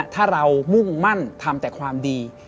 ถ้าเรามุ่งมั่นทำแต่ความดี